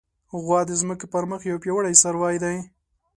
غوا د ځمکې پر مخ یو پیاوړی څاروی دی.